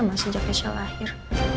masih sejak keisha lahir